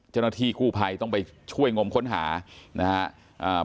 เจ้าหน้าที่กู้ภัยต้องไปช่วยงมค้นหานะครับ